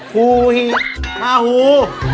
ฮูฮีฮาฮู